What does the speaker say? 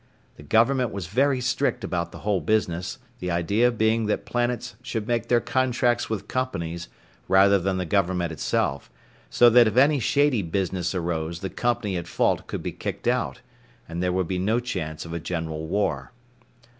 The Government was very strict about the whole business, the idea being that planets should make their contracts with companies rather than the government itself, so that if any shady business arose the company at fault could be kicked out, and there would be no chance of a general war.